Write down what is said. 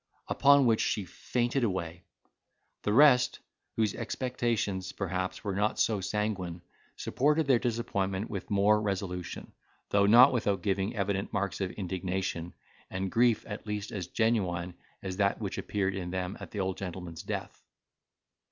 Upon which she fainted away. The rest, whose expectations, perhaps, were not so sanguine, supported their disappointment with more resolution, though not without giving evident marks of indignation, and grief at least as genuine as that which appeared in them at the old gentleman's death.